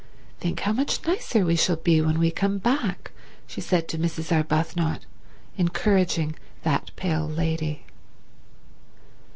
"Think how much nicer we shall be when we come back," she said to Mrs. Arbuthnot, encouraging that pale lady.